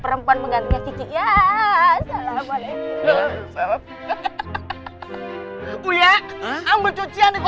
belum juga mulai ngajar ya mas ya udah